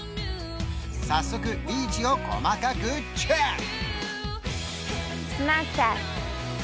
早速ビーチを細かくチェック！